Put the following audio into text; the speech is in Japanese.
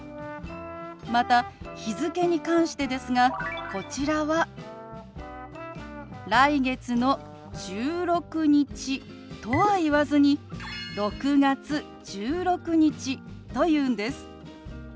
また日付に関してですがこちらは「来月の１６日」とは言わずに「６月１６日」と言うんです。